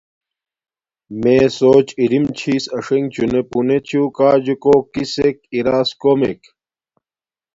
میے سوچ اِریم چِھس آݽنݣ چݹنے پݸنے چݸ کاجو کُوکیسک اِراس کومیک